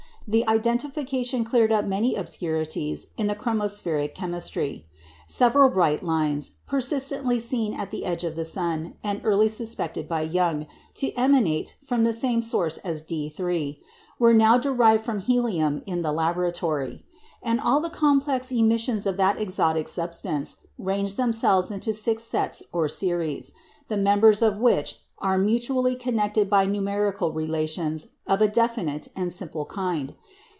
The identification cleared up many obscurities in chromospheric chemistry. Several bright lines, persistently seen at the edge of the sun, and early suspected by Young to emanate from the same source as D_3, were now derived from helium in the laboratory; and all the complex emissions of that exotic substance ranged themselves into six sets or series, the members of which are mutually connected by numerical relations of a definite and simple kind.